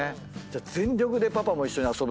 全力でパパも一緒に遊ぶ？